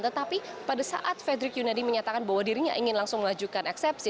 tetapi pada saat frederick yunadi menyatakan bahwa dirinya ingin langsung mengajukan eksepsi